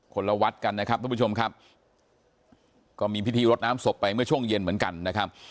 ละวัดกันนะครับทุกผู้ชมครับก็มีพิธีรดน้ำศพไปเมื่อช่วงเย็นเหมือนกันนะครับ